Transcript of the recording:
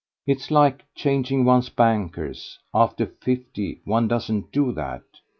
It's like changing one's bankers after fifty: one doesn't do that.